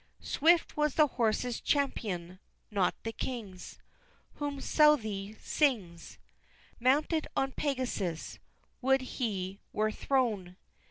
Swift was the horse's champion not the King's, Whom Southey sings, Mounted on Pegasus would he were thrown!